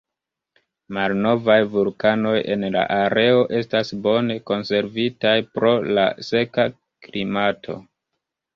Malnovaj vulkanoj en la areo estas bone konservitaj, pro la seka klimato.